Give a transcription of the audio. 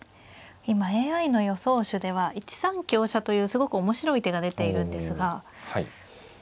今ＡＩの予想手では１三香車というすごく面白い手が出ているんですがこれはびっくりしますね。